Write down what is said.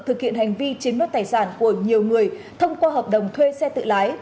thực hiện hành vi chiếm đoạt tài sản của nhiều người thông qua hợp đồng thuê xe tự lái